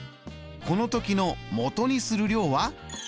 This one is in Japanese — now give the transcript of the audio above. この時のもとにする量は？